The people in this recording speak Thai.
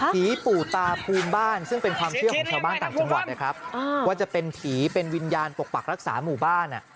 ผีปู่ตาภูมิบ้านซึ่งเป็นความเชื่อของชาวบ้านต่างจังหวัดนะครับว่าจะเป็นผีเป็นวิญญาณปกปักรักษาหมู่บ้าน